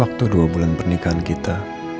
waktu dua bulan pernikahan kita